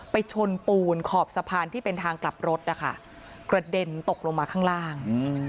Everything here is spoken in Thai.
ชนปูนขอบสะพานที่เป็นทางกลับรถนะคะกระเด็นตกลงมาข้างล่าง